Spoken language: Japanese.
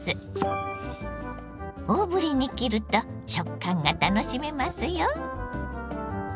大ぶりに切ると食感が楽しめますよ。